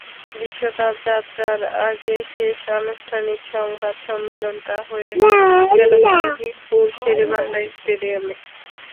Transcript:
বিশ্বকাপ-যাত্রার আগে শেষ আনুষ্ঠানিক সংবাদ সম্মেলনটা হয়ে গেল কাল মিরপুর শেরেবাংলা স্টেডিয়ামে।